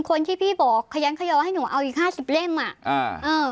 คนที่พี่บอกขยันขยอให้หนูเอาอีกห้าสิบเล่มอ่ะอ่าเออ